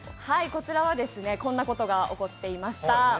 こちらはこんなことが起こっていました。